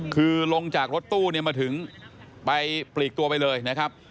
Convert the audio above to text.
คือลงจากรถตู้เนี่ยมาถึงไปปลีกตัวไปเลยนะครับ